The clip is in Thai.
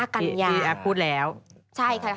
๒๕กันยา